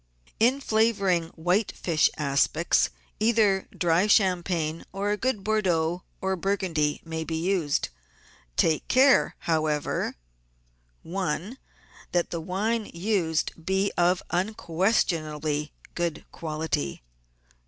In flavouring white fish aspics either dry champagne or a good Bordeaux or Burgundy may be used. Take care, how ever— 1. That the wine used be of an unquestionably good quality.